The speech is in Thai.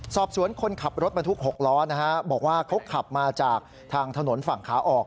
คนขับรถบรรทุก๖ล้อนะฮะบอกว่าเขาขับมาจากทางถนนฝั่งขาออก